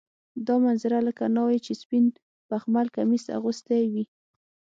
دا منظره لکه ناوې چې سپین بخمل کمیس اغوستی وي.